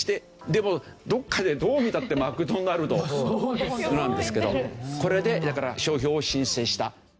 でもどこかでどう見たってマクドナルドなんですけどこれでだから商標を申請した。